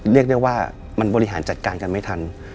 เรียกได้ว่ามันบริหารจัดการกันไม่ทัน